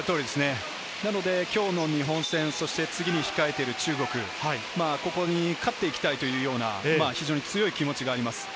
なので今日の日本戦、次に控えてる中国、ここに勝っていきたいという思いが非常に強い気持ちがあります。